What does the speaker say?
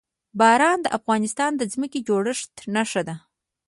باران د افغانستان د ځمکې د جوړښت نښه ده.